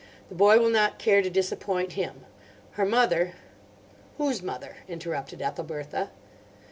The boy will not care to disappoint him. Her mother—" "Whose mother?" interrupted Ethelbertha.